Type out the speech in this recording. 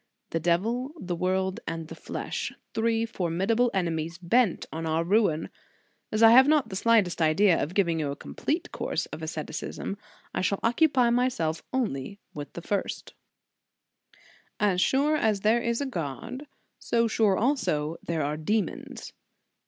The devil, the world, and the flesh; three formi dable enemies, bent on our ruin. As I have not the slightest idea of giving you a com plete course of asceticism, I shall occupy myself only with the first. 17* 198 The Sign of the Cross As sure as there is a God, so sure alsa there are demons.